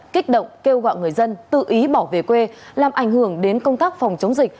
kích động kêu gọi người dân tự ý bỏ về quê làm ảnh hưởng đến công tác phòng chống dịch